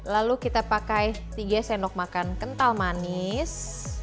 lalu kita pakai tiga sendok makan kental manis